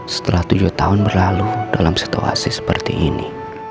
setelah tujuh tahun berlalu dalam situasi seperti ini